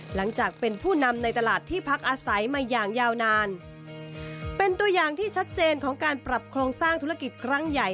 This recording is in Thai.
หลังจากเป็นผู้นำในตลาดที่พักอาศัยมาอย่างยาวนานเป็นตัวอย่างที่ชัดเจนของการปรับโครงสร้างธุรกิจครั้งใหญ่